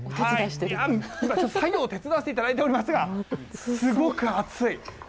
今、作業を手伝わせていただいていますが、すごく暑い。